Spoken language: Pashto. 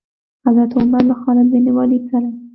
حضرت عمر له خالد بن ولید سره.